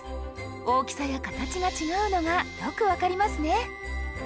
大きさや形が違うのがよく分かりますね。